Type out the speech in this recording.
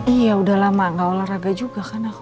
iya udah lama gak olahraga juga kan aku